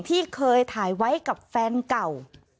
ที่เคยถ่ายไว้กับแฟนเก่า